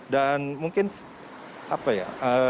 dan mungkin apa ya